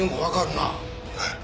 はい。